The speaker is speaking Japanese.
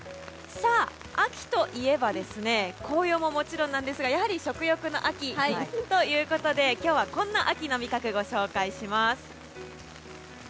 秋といえば、紅葉ももちろんなんですがやはり、食欲の秋ということで今日は、こんな秋の味覚をご紹介します。